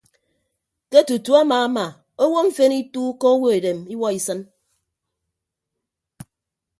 Ke tutu amaama owo mfen ituukọ owo edem iwuọ isịn.